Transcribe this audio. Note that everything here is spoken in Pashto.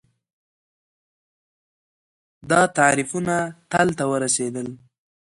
دا تعریفونه تل ته ورورسېدل